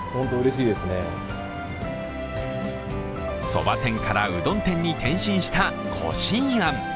そば店から、うどん店に転身した小進庵。